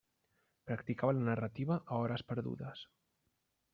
Practicava la narrativa a hores perdudes.